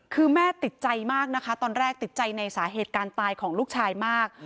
คือแม่ติดใจมากนะคะตอนแรกติดใจในสาเหตุการณ์ตายของลูกชายมาก